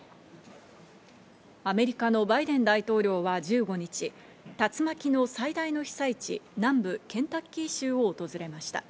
アメリカのバイデン大統領は１５日、竜巻の最大の被災地、南部ケンタッキー州を訪れました。